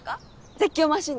絶叫マシン